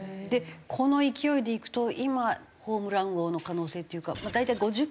この勢いでいくと今ホームラン王の可能性っていうかまあ大体５０本打てば。